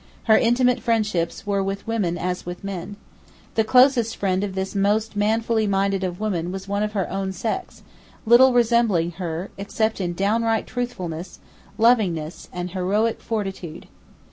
Her intimate friendships were with women as with men. The closest friend of this most manfully minded of women was one of her sex, little resembling her, except in downright truthfulness, lovingness, and heroic fortitude.